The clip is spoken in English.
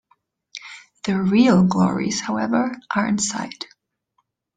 The real glories, however, are inside.